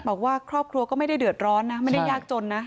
บอกว่าครอบครัวก็ไม่ได้เดือดร้อนนะไม่ได้ยากจนนะ